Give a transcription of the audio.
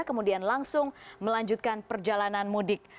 kemudian langsung melanjutkan perjalanan mudik